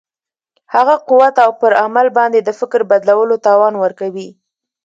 هغه قوت او پر عمل باندې د فکر بدلولو توان ورکوي.